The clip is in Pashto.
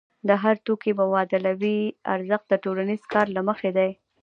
د هر توکي مبادلوي ارزښت د ټولنیز کار له مخې دی.